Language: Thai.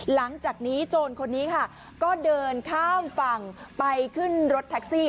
หลังจากนี้โจรคนนี้ค่ะก็เดินข้ามฝั่งไปขึ้นรถแท็กซี่